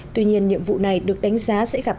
tuy nhiên nhiệm vụ này được đánh giá sẽ gặp